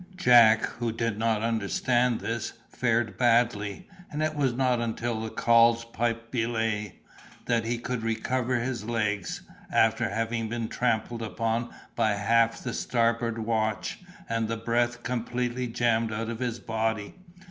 Jack, who did not understand this, fared badly, and it was not until the calls piped belay, that he could recover his legs, after having been trampled upon by half the starboard watch, and the breath completely jammed out of his body.